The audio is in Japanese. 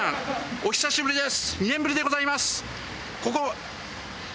お久しぶりです！